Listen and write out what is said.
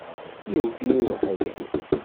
Iwet-iyi ubeḥri.